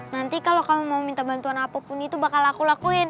nanti kalau kamu mau minta bantuan apapun itu bakal aku lakuin